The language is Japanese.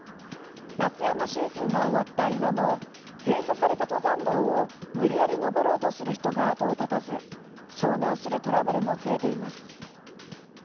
夏山シーズンが終わった今も閉鎖された登山道を無理やり登ろうとする人が後を絶たず遭難するトラブルも増えています。